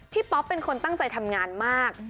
ป๊อปเป็นคนตั้งใจทำงานมาก